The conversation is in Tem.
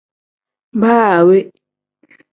Baa we.